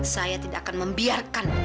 saya tidak akan membiarkan